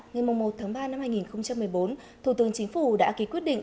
ngày một tháng ba năm hai nghìn một mươi bốn thủ tướng chính phủ đã ký quyết định